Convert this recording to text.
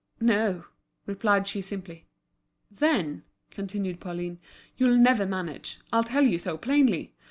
no," replied she simply. "Then," continued Pauline, "you'll never manage, I tell you so, plainly.